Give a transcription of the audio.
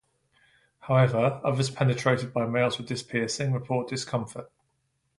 However, others penetrated by males with this piercing report discomfort.